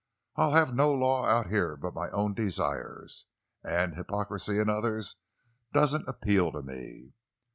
I'll have no law out here but my own desires; and hypocrisy—in others—doesn't appeal to me!